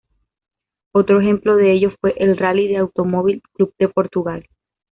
Otro ejemplo de ello fue el Rally del Automóvil Club de Portugal.